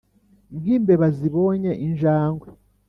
nkimbeba zibonye injangwe.